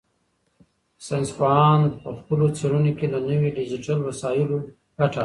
ساینس پوهان په خپلو څېړنو کې له نویو ډیجیټل وسایلو ګټه اخلي.